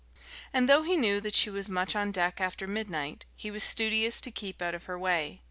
And though he knew that she was much on deck after midnight, he was studious to keep out of her way.